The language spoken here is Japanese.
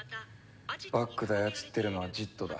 バックで操ってるのはジットだ。